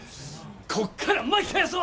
こっから巻き返そ！